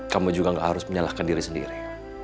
kamu juga gak harus menyalahkan diri sendiri